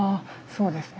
そうですね。